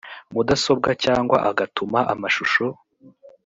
mudasobwa cyangwa agatuma amashusho